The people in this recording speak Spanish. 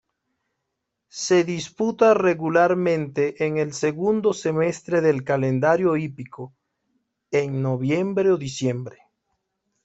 Se disputa regularmente en el segundo semestre del calendario hípico, en noviembre o diciembre.